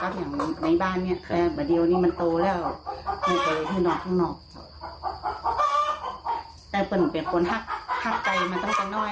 พักไก่มาตั้งแต่น้อยมาต่อ